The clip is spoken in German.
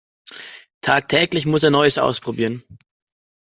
Tagtäglich muss er Neues ausprobieren.